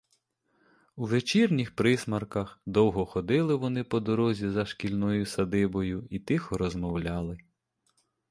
У вечірніх присмерках довго ходили вони по дорозі за шкільною садибою і тихо розмовляли.